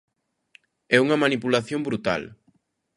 É unha manipulación brutal.